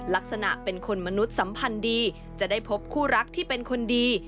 ลักษณะเป็นคนมนุษย์สัมพันธ์ดีจะได้พบคู่รักที่เป็นคนดี